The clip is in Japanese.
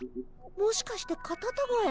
もしかしてカタタガエ？